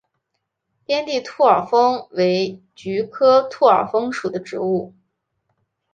边地兔儿风为菊科兔儿风属的植物。